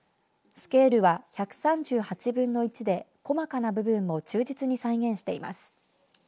スケールは１３８分の１で細かな部分も忠実に再現しています。